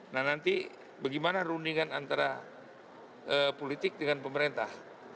nah nanti bagaimana rundingan antara politik dengan pemerintah